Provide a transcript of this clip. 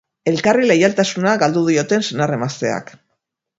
Elkarri leialtasuna galdu dioten senar-emazteak.